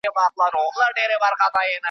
یو خوا ډانګ دی لخوا پړانګ دی .